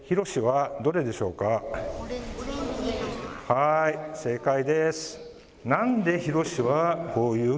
はい正解です。